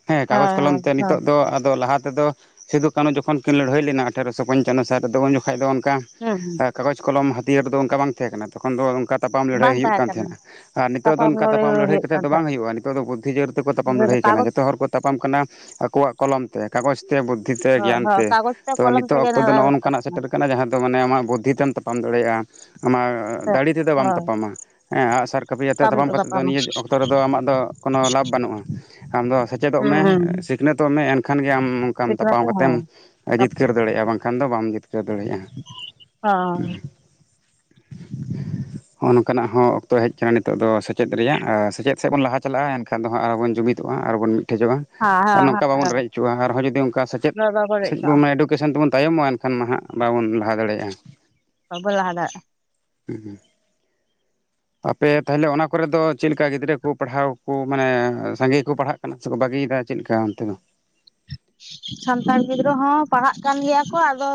ᱦᱮᱸ ᱠᱟᱜᱚᱡᱽ ᱠᱚᱞᱚᱢ ᱦᱳᱭ ᱛᱮ ᱦᱳᱭ ᱱᱤᱛᱚᱜ ᱫᱚ ᱟᱫᱚ ᱞᱟᱦᱟ ᱛᱮᱫᱚ ᱥᱤᱫᱩ ᱠᱟᱹᱱᱩ ᱡᱚᱠᱷᱚᱱ ᱠᱤᱱ ᱞᱟᱲᱦᱟᱹᱭ ᱞᱮᱱᱟ ᱟᱴᱷᱮᱨᱚᱥᱚ ᱯᱚᱱᱪᱟᱱᱚ ᱥᱟᱦᱮᱜ ᱨᱮ ᱫᱚ ᱩᱱᱡᱚᱠᱷᱟᱡ ᱫᱚ ᱚᱱᱠᱟ ᱦᱮᱸ ᱠᱟᱜᱚᱪᱽ ᱠᱚᱞᱚᱢ ᱦᱟᱹᱛᱭᱟᱹᱨ ᱫᱚ ᱚᱝᱠᱟ ᱵᱟᱝ ᱛᱟᱦᱮᱸ ᱠᱟᱱᱟ ᱛᱚᱠᱷᱚᱱ ᱫᱚ ᱚᱝᱠᱟ ᱛᱟᱯᱟᱢ ᱞᱟᱹᱲᱦᱟᱹᱭ ᱵᱟᱝ ᱦᱩᱭᱩᱜ ᱛᱟᱦᱮᱸ ᱠᱟᱱ ᱠᱟᱱᱟ ᱛᱮᱦᱮᱸᱱᱟ᱾ ᱟᱨ ᱱᱤᱛᱚᱜ ᱫᱚ ᱚᱱᱠᱟ ᱛᱟᱯᱟᱢ ᱞᱟᱹᱲᱦᱟᱹᱭ ᱠᱮᱛᱮᱫ ᱫᱚ ᱵᱟᱝ ᱦᱩᱭᱩᱜᱼᱟ ᱱᱤᱛᱚᱜ ᱫᱚ ᱵᱩᱫᱷᱤ ᱡᱳᱨ ᱛᱮᱠᱚ ᱛᱟᱯᱟᱢ ᱛᱟᱦᱮᱸᱫ ᱞᱟᱹᱲᱦᱟᱹᱭ ᱠᱟᱱᱟ ᱠᱟᱜᱚᱡᱽ ᱡᱚᱛᱚ ᱦᱚᱲ ᱠᱚ ᱛᱟᱯᱟᱢ ᱠᱟᱱᱟ ᱟᱠᱩᱣᱟᱜ ᱠᱚᱞᱚᱢ ᱛᱮ ᱠᱟᱜᱚᱡᱽ ᱛᱮ ᱵᱩᱫᱽᱫᱷᱤ ᱛᱮ ᱦᱳᱭ ᱜᱮᱭᱟᱱ ᱦᱳᱭ ᱛᱮ, ᱠᱟᱜᱚᱡᱽ ᱛᱚ ᱠᱚᱞᱚᱢ ᱱᱤᱛᱚᱜ ᱛᱮᱜᱮ ᱚᱠᱛᱚᱫᱚ ᱱᱚᱜᱼᱚ ᱱᱚᱝᱠᱟᱱᱟᱜ ᱥᱮᱴᱮᱨ ᱟᱠᱟᱱᱟ ᱡᱟᱦᱟᱸ ᱫᱚ ᱢᱟᱱᱮ ᱟᱢᱟᱜ ᱵᱩᱫᱽᱫᱷᱤ ᱛᱮᱢ ᱛᱟᱯᱟᱢ ᱫᱟᱲᱮᱭᱟᱜᱼᱟ ᱟᱢᱟᱜ ᱫᱟᱲᱤ ᱛᱮᱫᱚ ᱵᱟᱢ ᱦᱳᱭ ᱛᱟᱯᱟᱢᱟ᱾ ᱦᱮᱸ ᱟᱸᱜᱥᱟᱨ, ᱠᱟᱹᱯᱤ ᱟᱛᱮ ᱛᱟᱯᱟᱢ ᱠᱟᱛᱮ ᱫᱚ ᱱᱤᱭᱟᱹ ᱚᱠᱛᱚ ᱨᱮᱫᱚ ᱟᱢᱟᱜ ᱫᱚ ᱠᱚᱱᱚ ᱞᱟᱵ ᱵᱟᱹᱱᱩᱜᱼᱟ ᱟᱢ ᱫᱚ ᱥᱮ ᱪᱮᱫᱚᱜ ᱢᱮ ᱦᱮᱸ ᱥᱤᱠᱷᱱᱟᱹᱛᱚᱜ ᱢᱮ ᱮᱱᱠᱷᱟᱱ ᱜᱮ ᱟᱢ ᱚᱝᱠᱟᱢ ᱥᱤᱠᱷᱱᱟᱹᱛ ᱛᱟᱯᱟᱢ ᱦᱮᱸ ᱠᱟᱛᱮᱜ ᱮᱢ ᱦᱮᱸ ᱡᱤᱛᱠᱟᱹᱨ ᱫᱮᱲᱮᱭᱟᱜᱼᱟ ᱵᱟᱝᱠᱷᱟᱱ ᱫᱚ ᱵᱟᱢ ᱡᱤᱛᱠᱟᱹᱨ ᱫᱮᱲᱮᱭᱟᱜᱼᱟ᱾ ᱦᱮᱸ (unintelligible) ᱱᱚᱸᱜᱼᱚ ᱱᱚᱝᱠᱟᱱᱟᱜ ᱦᱚᱸ ᱚᱠᱛᱚ ᱦᱮᱡ ᱟᱠᱟᱱᱟ ᱱᱤᱛᱚᱜ ᱫᱚ ᱥᱮᱪᱮᱫ ᱨᱮᱭᱟᱜ ᱥᱮᱪᱮᱜ ᱥᱮᱜ ᱵᱚᱱ ᱞᱟᱦᱟ ᱪᱟᱞᱟᱜᱼᱟ᱾ ᱮᱱᱠᱷᱟᱱ ᱠᱷᱟᱸ ᱫᱚᱦᱟᱸ ᱟ ᱟᱵᱚᱱ ᱡᱩᱢᱤᱫᱚᱜᱼᱟ ᱟᱨ ᱵᱩᱱ ᱢᱤᱜᱴᱷᱮᱡᱚᱜᱼᱟ᱾ ᱦᱟᱸ ᱦᱟᱸ ᱦᱟ. ᱦᱟ. ᱪᱳᱣᱟᱦᱟᱨ ᱦᱚᱸ ᱡᱩᱫᱤ ᱚᱱᱠᱟ ᱥᱮᱪᱮᱫ ᱥᱮᱪᱮ ᱥᱮᱜ ᱵᱚᱢᱟᱭ ᱩᱰᱩᱜ ᱠᱮᱥᱮᱱ ᱛᱮᱵᱚᱱ ᱛᱟᱭᱚᱢᱚᱜᱼᱟ ᱮᱱᱠᱷᱟᱱ ᱢᱟ ᱦᱟᱸᱜ ᱵᱟᱵᱩᱱ ᱞᱟᱦᱟ ᱫᱮᱲᱮᱭᱟᱜᱼᱟ᱾ ᱵᱟᱵᱚᱱ ᱞᱟᱦᱟ ᱫᱟᱲᱮᱟᱜᱼᱟ ᱦᱩᱸ (unintelligible) ᱟᱯᱮ ᱛᱟᱦᱮᱞᱮ ᱚᱱᱟ ᱠᱚᱨᱮ ᱫᱚ ᱪᱮᱫᱞᱮᱠᱟ ᱜᱤᱫᱽᱨᱟᱹ ᱠᱩ ᱯᱟᱲᱦᱟᱣ ᱠᱩ ᱢᱟᱱᱮ ᱥᱟᱸᱜᱮᱠᱚ ᱯᱟᱲᱦᱟᱜ ᱠᱟᱱᱟ ᱥᱮ ᱠᱚ ᱵᱟᱹᱜᱤᱭᱮᱫᱟ ᱪᱮᱜ ᱠᱟ ᱚᱱᱛᱮ ᱫᱚ? ᱥᱟᱱᱛᱟᱲ ᱜᱤᱫᱽᱨᱟᱹ ᱦᱚᱸ ᱯᱟᱨᱟᱜ ᱠᱟᱱ ᱜᱮᱭᱟ ᱠᱚ ᱟᱫᱚ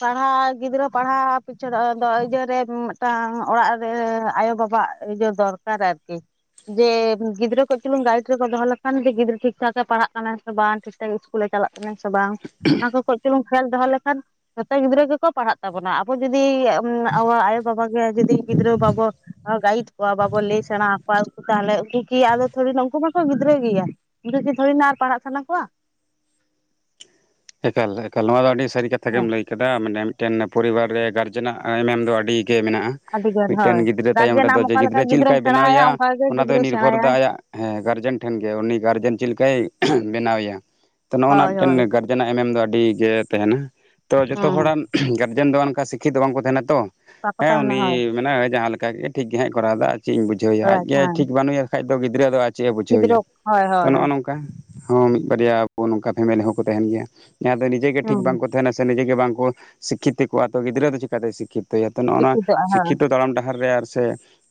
ᱯᱟᱨᱦᱟᱣ ᱜᱤᱫᱽᱨᱟᱹ ᱯᱟᱨᱦᱟᱣ ᱯᱤᱪᱷᱟ. ᱫᱚ ᱟᱫᱚ ᱤᱭᱟᱹᱟᱹᱨᱮ ᱢᱤᱜᱴᱟᱝ ᱚᱲᱟᱜ ᱨᱮ ᱟᱭᱳ ᱵᱟᱵᱟᱼᱟᱜ ᱤᱡᱟ. ᱫᱚᱨᱠᱟᱨ ᱟᱨᱠᱤ ᱡᱮ ᱜᱤᱫᱽᱨᱟᱹ ᱠᱟ. ᱪ ᱪᱩᱞᱩᱝ ᱜᱟᱭᱤᱴ ᱨᱮᱠᱚ ᱫᱚᱦᱚ ᱞᱮᱠᱷᱟᱱ ᱜᱤᱫᱽᱨᱟᱹ ᱴᱷᱤᱠ ᱴᱷᱟᱠ ᱮ ᱯᱟᱲᱦᱟᱜ ᱠᱟᱱᱟ ᱥᱮ ᱵᱟᱝ ᱴᱷᱤᱠ ᱴᱷᱤᱠᱴᱷᱟᱡ ᱤᱥ ᱠᱩᱞᱮ ᱪᱟᱞᱟᱜ ᱠᱟᱱᱟᱭ ᱥᱮ ᱵᱟᱝ ᱚᱱᱟ ᱠᱚ ᱠᱚ. ᱜ ᱪᱩᱞᱩ ᱠᱷᱮᱞ ᱫᱚᱦᱚ ᱞᱮᱠᱷᱟᱱ ᱡᱚᱛᱚ ᱜᱤᱫᱽᱨᱟᱹ ᱜᱮᱠᱚ ᱯᱟᱲᱦᱟᱜ ᱛᱟᱵᱚᱱᱟ ᱟᱵᱚ ᱡᱩᱫᱤ ᱟᱵᱚ ᱟᱭᱳᱼᱵᱟᱵᱟ ᱜᱮ ᱡᱩᱫᱤ ᱜᱤᱫᱽᱨᱟᱹ ᱵᱟᱵᱚ ᱜᱟᱭᱤᱴ ᱠᱚᱣᱟ ᱵᱟᱵᱚ ᱞᱟᱹᱭ ᱥᱮᱬᱟ ᱟᱠᱚᱣᱟ ᱩᱠᱩ ᱛᱟᱦᱚᱞᱮ ᱩᱱᱠᱩ ᱜᱤ ᱟᱫᱚ ᱛᱷᱩᱲᱤᱱᱟᱜ ᱩᱱᱠᱩ ᱢᱟᱠᱚ ᱜᱤᱫᱽᱨᱟᱹ ᱜᱮᱭᱟ (unintelligible) ᱟᱨ ᱯᱟᱲᱦᱟᱜ ᱥᱟᱱᱟ ᱠᱚᱣᱟ᱾ ᱮᱠᱟᱞ ᱮᱠᱟᱞ ᱱᱚᱣᱟ ᱫᱚ ᱟᱹᱰᱤ ᱥᱟᱹᱨᱤ ᱠᱟᱛᱷᱟ ᱜᱮᱢ ᱞᱟᱹᱭ ᱠᱟᱜ ᱮᱫᱟ ᱢᱟᱱᱮ ᱢᱤᱜᱴᱮᱱ ᱯᱚᱨᱤᱵᱟᱨ ᱨᱮ ᱜᱟᱨᱡᱮᱱᱟᱜ ᱮᱢᱮᱢ ᱫᱚ ᱟᱹᱰᱤ ᱜᱮ ᱢᱮᱱᱟᱜᱼᱟ᱾ ᱟᱹᱰᱤ ᱜᱟᱱ ᱦᱳᱭ ᱢᱤᱜᱴᱮᱱ ᱜᱤᱫᱽᱨᱟᱹ ᱛᱟᱭᱚᱢ ᱜᱟᱨᱡᱮᱱ ᱨᱮᱫᱚ ᱟᱢ ᱡᱮ ᱚᱠᱟ ᱞᱮᱠᱟ ᱜᱤᱫᱽᱨᱟᱹ ᱜᱤᱫᱽᱨᱟᱹᱢ ᱪᱤᱜᱞᱮᱠᱟᱭ ᱥᱮᱬᱟ ᱵᱮᱱᱟᱣ ᱟᱭᱟ ᱮᱭᱟ ᱚᱱᱠᱟ ᱜᱮ ᱚᱱᱟ ᱫᱚᱭ ᱜᱤᱫᱽᱨᱟᱹ ᱱᱤᱨᱵᱷᱚᱨ ᱥᱮᱬᱟᱭᱟᱭ ᱫᱟᱭ ᱟᱭᱟᱜ ᱦᱮᱸ ᱜᱟᱨᱡᱮᱱ ᱴᱷᱮᱱ ᱜᱮ ᱩᱱᱤ ᱜᱟᱨᱡᱮᱱ ᱪᱤᱜ ᱞᱮᱠᱟᱭ ᱵᱮᱱᱟᱣ ᱮᱭᱟ ᱛᱚ ᱱᱚᱜᱼᱚ ᱱᱟ ᱦᱳᱭ ᱢᱤᱜᱴᱮᱱ ᱦᱳᱭ ᱜᱟᱨ ᱡᱮᱱᱟᱜ ᱮᱢᱮ ᱮᱢ ᱫᱚ ᱟᱹᱰᱤ ᱜᱮ ᱛᱟᱦᱮᱱᱟ᱾ ᱛᱚ ᱡᱚᱛᱚ ᱦᱮᱸ ᱦᱚᱲᱟᱜ ᱚᱠᱟ ᱜᱟᱨᱡᱮᱱ ᱫᱚ ᱚᱱᱠᱟ ᱥᱤᱠᱠᱷᱤᱛᱚ᱾ ᱵᱟᱝᱠᱚ ᱛᱮᱦᱮᱱᱟ ᱛᱚ ᱠᱚ ᱦᱮᱸ ᱛᱟᱦᱮᱱᱟ ᱦᱳᱭ ᱩᱱᱤ ᱢᱮᱱᱟᱭ ᱡᱟᱦᱟᱸ ᱞᱮᱠᱟ ᱜᱮ ᱴᱷᱤᱠ ᱜᱮ ᱦᱟᱸᱜ ᱮ ᱠᱚᱨᱟᱣᱫᱟᱭ ᱟᱨ ᱪᱮᱤ ᱤᱧ ᱵᱩᱡᱷᱟᱹᱣ ᱮᱭᱟ ᱦᱳᱭ ᱟᱡᱜᱮᱦᱟᱜ ᱮ ᱦᱮᱸ ᱴᱷᱤᱠ ᱵᱟᱹᱱᱩᱭᱟ ᱵᱟᱠᱷᱟᱡ ᱫᱚ ᱜᱤᱫᱽᱨᱟᱹ ᱫᱚ ᱟᱡ ᱟᱭᱳ ᱵᱩᱡᱷᱟᱹᱣ ᱮᱭᱟ ᱜᱤᱫᱽᱨᱟᱹ ᱦᱳᱭ ᱦᱳᱭ ᱛᱚ ᱱᱚᱜᱼᱚ ᱦᱳᱭ ᱱᱚᱝᱠᱟ᱾ ᱦᱚᱸ ᱢᱤᱜ ᱵᱟᱨᱭᱟ ᱟᱵᱚ ᱱᱚᱝᱠᱟ ᱯᱷᱮᱢᱮᱞᱤ ᱦᱚᱸᱠᱚ ᱛᱟᱦᱮᱱ ᱜᱮᱭᱟ ᱡᱟᱦᱟᱸ ᱫᱚ ᱱᱤᱡᱮ ᱜᱮ ᱴᱷᱤᱠ ᱦᱮᱸ ᱵᱟᱝᱠᱚᱼᱼ ᱛᱟᱦᱮᱱᱟᱭ ᱥᱮ ᱱᱤᱡᱮ ᱜᱮ ᱵᱟᱝ ᱵᱚ ᱥᱤᱠᱠᱷᱤᱛᱚᱠᱚᱜᱼᱟ ᱛᱚ ᱜᱤᱫᱽᱨᱟᱹ ᱪᱮᱠᱟᱛᱮᱭ ᱥᱤᱠᱠᱷᱤᱛ ᱛᱚᱭᱟ ᱛᱚ ᱱᱚᱜᱼᱚ ᱱᱚᱣᱟ ᱥᱤᱠᱷᱤᱛᱚᱜ ᱟᱭ ᱦᱳᱭ ᱥᱤᱠᱠᱷᱤᱛᱚ ᱛᱟᱲᱟᱢ ᱰᱟᱦᱟᱨ ᱨᱮ ᱟᱨ ᱥᱮ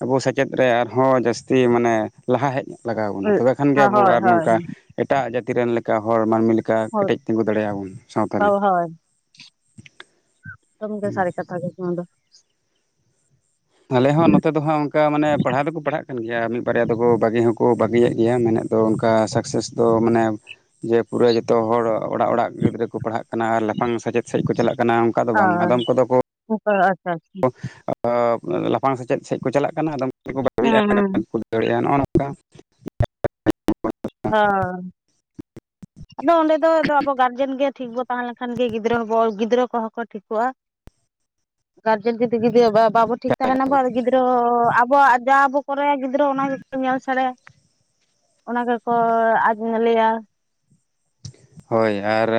ᱟᱵᱚ ᱥᱮᱪᱮᱫ ᱨᱮ ᱟᱨᱦᱚᱸ ᱡᱟᱹᱥᱛᱤ ᱢᱟᱱᱮ ᱞᱟᱦᱟ ᱦᱮᱡ ᱞᱟᱜᱟᱣ ᱟᱵᱚᱱᱟ ᱛᱚᱵᱮ ᱠᱷᱟᱱ ᱜᱮ ᱦᱳᱭ ᱟᱵᱩ ᱦᱳᱭ ᱟᱨ ᱱᱚᱝᱠᱟ ᱮᱴᱟᱜ ᱡᱟᱹᱛᱤ ᱨᱮᱱ ᱞᱮᱠᱟ ᱦᱚᱲ ᱢᱟᱹᱱᱢᱤ ᱞᱮᱠᱟ ᱠᱟ ᱠᱮᱴᱮᱡ ᱛᱤᱸᱜᱩ ᱫᱟᱲᱮᱭᱟᱜᱼᱟ ᱵᱚᱱ ᱥᱟᱶᱛᱟ ᱨᱮ ᱦᱚᱣ ᱦᱳᱭ ᱮᱠᱫᱚᱢ ᱜᱮ ᱥᱟᱹᱨᱤ ᱠᱟᱛᱷᱟ ᱜᱮ ᱱᱚᱣᱟ ᱫᱚ᱾ ᱟᱞᱮ ᱦᱚᱸ ᱱᱚᱛᱮ ᱫᱚ ᱦᱟᱸᱜ ᱚᱱᱠᱟ ᱢᱟᱱᱮ ᱯᱟᱲᱦᱟᱣ ᱫᱚᱠᱚ ᱯᱟᱲᱦᱟᱜ ᱠᱟᱱ ᱜᱮᱭᱟ ᱢᱤᱫ ᱵᱟᱨᱭᱟ ᱫᱚᱠᱚ ᱵᱟᱹᱜᱤ ᱦᱚᱸᱠᱚ ᱵᱟᱹᱜᱤᱭᱮᱫ ᱜᱮᱭᱟ ᱢᱮᱱᱮᱫ ᱫᱚ ᱚᱱᱠᱟ ᱥᱟᱠᱥᱮᱥ ᱫᱚ ᱢᱟᱱᱮ ᱡᱮ ᱯᱩᱨᱟᱹ ᱡᱚᱛᱚ ᱦᱚᱲ ᱚᱲᱟᱜ ᱚᱲᱟᱜ ᱜᱤᱫᱽᱨᱟᱹ ᱠᱚ ᱯᱟᱲᱦᱟᱜ ᱠᱟᱱᱟ ᱟᱨ ᱞᱟᱯᱷᱟᱝ ᱥᱮᱪᱮᱫ ᱥᱮᱫ ᱠᱚ ᱪᱟᱞᱟᱜ ᱠᱟᱱᱟ ᱫᱚ ᱵᱟᱝ ᱟᱫᱚᱢ ᱠᱚᱫᱚ ᱠᱚ ᱚ (unintelligible) ᱟᱪᱪᱷᱟ ᱟᱪᱪᱷᱟ ᱞᱟᱯᱷᱟᱝ ᱥᱮᱪᱮᱫ ᱥᱮᱫ ᱠᱚ ᱪᱟᱞᱟᱜ ᱠᱟᱱᱟ ᱟᱫᱚᱢ ᱠᱚᱫᱚ ᱦᱮᱸ ᱵᱟᱹᱜᱤᱭᱮᱫᱼᱟ ᱦᱮᱸ (unintelligible) ᱫᱟᱲᱮᱭᱟᱜᱼᱟ ᱱᱚᱜᱼᱚ ᱱᱚᱝᱠᱟ ᱦᱚᱸᱻ ᱟᱫᱚ ᱚᱸᱰᱮ ᱫᱚ ᱟᱵᱚ ᱜᱟᱨᱡᱮᱱ ᱜᱮ ᱴᱷᱤᱠ ᱵᱚ ᱛᱟᱦᱮᱸ ᱞᱮᱱᱠᱷᱟᱱ ᱜᱮ ᱜᱤᱫᱽᱨᱟᱹᱦᱚᱸᱵᱚ ᱜᱤᱫᱽᱨᱟᱹ ᱠᱚᱦᱚᱸ ᱠᱚ ᱴᱷᱤᱠᱚᱜᱼᱟ ᱜᱟᱨᱡᱮᱱ ᱡᱩᱫᱤ ᱜᱤᱫᱤᱼ ᱵᱟᱼ ᱵᱟᱵᱚᱱ ᱴᱷᱤᱠ ᱛᱟᱦᱮᱱᱟ ᱟᱨ ᱜᱤᱫᱽᱨᱟᱹ ᱛᱚ ᱟᱵᱚᱣᱟᱜ ᱡᱟ ᱟᱵᱚ ᱠᱚᱨᱟᱭᱟ ᱜᱤᱫᱽᱨᱟᱹ ᱚᱱᱟ ᱜᱮᱠᱚ ᱧᱮᱞ ᱥᱮᱬᱟᱭᱟ ᱚᱱᱟ ᱜᱮᱠᱚ (unintelligible) ᱞᱟᱹᱭᱟ ᱦᱳᱭ ᱟᱨ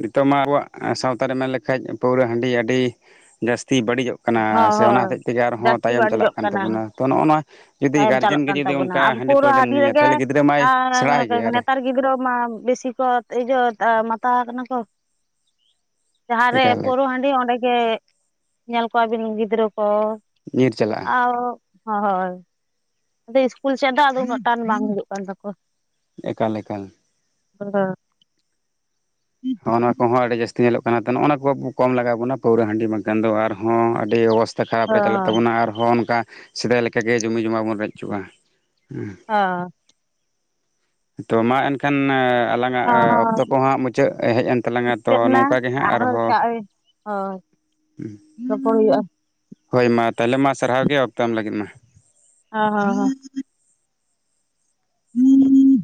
ᱱᱤᱛᱚᱜ ᱢᱟ ᱟᱵᱚᱣᱟᱜ ᱥᱟᱶᱛᱟ‌ ᱨᱮ ᱢᱮᱱ ᱞᱮᱠᱷᱟᱡ ᱯᱟᱹᱣᱨᱟᱹ ᱦᱟᱺᱰᱤ ᱟᱹᱰᱤ ᱡᱟᱹᱥᱛᱤ ᱵᱟᱹᱲᱤᱡᱚᱜ ᱠᱟᱱᱟ ᱦᱚᱸ ᱥᱮ ᱚᱱᱟ ᱦᱚᱸ ᱦᱚᱛᱮᱡ ᱛᱮᱜᱮ ᱟᱨᱦᱚᱸ ᱡᱟᱹᱥᱛᱤ ᱛᱟᱭᱚᱢ ᱪᱟᱞᱟᱜ ᱵᱟᱹᱲᱤᱡᱚᱜ ᱠᱟᱱ ᱠᱟᱱᱟ ᱛᱟᱵᱚᱱᱟ ᱛᱚ ᱱᱚᱜᱼᱚ ᱱᱚᱣᱟ ᱡᱩᱫᱤ ᱛᱟᱭᱚᱢ ᱜᱟᱨᱡᱮᱱ ᱪᱟᱞᱟᱜ ᱜᱮ ᱠᱟᱱ ᱡᱩᱫᱤ ᱛᱟᱵᱚᱱᱟ ᱚᱱᱠᱟ ᱟᱵᱚ ᱦᱟᱺᱰᱤ ᱯᱟᱹᱣᱨᱟᱹ ᱯᱟᱹᱣᱨᱟᱹᱢ ᱧᱩᱭᱟ ᱨᱮᱜᱮ ᱛᱟᱦᱞᱮ ᱜᱤᱫᱽᱨᱟᱹ ᱢᱟᱭ ᱟᱨ ᱥᱮᱬᱟᱭ ᱜᱮᱭᱟ ᱟᱨᱮ ᱱᱮᱛᱟᱨ ᱜᱤᱫᱽᱨᱟᱹ ᱢᱟ ᱵᱮᱥᱤ ᱠᱚ ᱤᱭᱟᱹ ᱢᱟᱛᱟᱣ ᱟᱠᱟᱱᱟ ᱠᱚ ᱡᱟᱦᱟᱸᱨᱮ ᱮᱠᱟᱞ ᱯᱳᱨᱳ ᱦᱟᱺᱰᱤ ᱚᱸᱰᱮ ᱜᱮ ᱧᱮᱞ ᱠᱚᱣᱟᱵᱤᱱ ᱜᱤᱫᱽᱨᱟᱹ ᱠᱚ ᱧᱤᱨ ᱪᱟᱞᱟᱜᱼᱟ ᱟᱶ ᱦᱳᱭ ᱟᱫᱚ ᱤᱥᱠᱩᱞ ᱪᱮᱫᱟᱜ ᱫᱚ ᱩᱱᱟᱹᱜ ᱴᱟᱱ ᱵᱟᱝ ᱦᱳᱭᱳᱜ ᱠᱟᱱ ᱛᱟᱠᱚᱣᱟ ᱮᱠᱟᱞ ᱮᱠᱟᱞ (unintelligible) ᱦᱚᱸᱜ ᱚᱱᱟ ᱠᱚᱦᱚᱸ ᱟᱹᱰᱤ ᱡᱟᱹᱥᱛᱤ ᱧᱮᱞᱚᱜ ᱠᱟᱱᱟ ᱛᱚ ᱱᱚᱜ-ᱚᱱᱟ ᱠᱚ ᱠᱚᱢ ᱞᱟᱜᱟᱣ ᱵᱚᱱᱟ ᱯᱟᱹᱣᱨᱟᱹ ᱦᱟᱺᱰᱤ ᱵᱟᱝᱠᱷᱟᱱ ᱫᱚ ᱟᱨᱦᱚᱸ ᱟᱹᱰᱤ ᱚᱵᱚᱥ (unintelligible) ᱨᱮ ᱪᱟᱞᱟᱜ ᱛᱟᱵᱚᱱᱟ ᱟᱨᱦᱚᱸ ᱚᱱᱠᱟ ᱥᱮᱫᱟᱭ ᱞᱮᱠᱟᱜᱮ ᱡᱩᱢᱤ ᱡᱚᱢᱟ ᱵᱚᱱ ᱨᱮᱡ ᱚᱪᱚᱜᱟ ᱦᱚᱸᱻ ᱛᱚ ᱢᱟ ᱮᱱᱠᱷᱟᱱ ᱟᱞᱟᱝᱟᱜ ᱚᱠᱛᱚ ᱦᱚᱸ ᱠᱚ ᱦᱟᱸᱜ ᱢᱩᱪᱟᱹᱫ ᱦᱮᱡ ᱮᱱ ᱛᱟᱞᱟᱝᱟ ᱛᱚ ᱢᱩᱪᱟᱹᱫ ᱮᱱᱟ ᱱᱚᱝᱠᱟᱜᱮ ᱦᱟᱸᱜ ᱟᱨᱦᱚᱸ ᱦᱳᱭ ᱨᱚᱯᱚᱲ ᱦᱩᱭᱩᱜᱼᱟ ᱦᱳᱭ ᱢᱟ ᱛᱟᱦᱚᱞᱮ ᱢᱟ ᱥᱟᱨᱦᱟᱣ ᱜᱮ ᱚᱠᱛᱚ ᱮᱢ ᱞᱟᱹᱜᱤᱫ ᱢᱟ ᱚᱸᱻ ᱦᱚᱸ ᱦᱚᱸᱻ (inaudible)